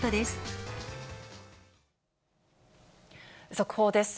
速報です。